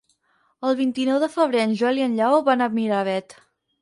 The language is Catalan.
El vint-i-nou de febrer en Joel i en Lleó van a Miravet.